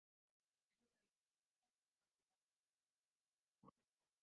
Es de tradición gótica y se conserva tras sucesivas reformas.